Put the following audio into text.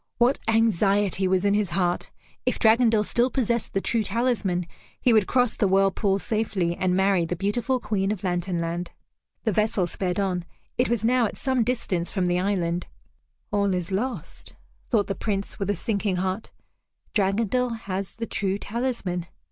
What anxiety was in his heart! If Dragondel still possessed the true talisman, he would cross the whirlpool safely, and marry the beautiful Queen of Lantern Land. The vessel sped on. It was now at some distance from the island. "All is lost," thought the Prince with a sinking heart; "Dragondel has the true talisman."